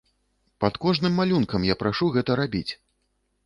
Пад кожным малюнкам я прашу гэта рабіць!